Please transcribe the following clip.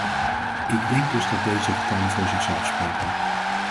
Ik denk dus dat deze getallen voor zichzelf spreken.